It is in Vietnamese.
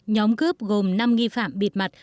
nhóm cướp gồm năm nghi phạm bịt mặt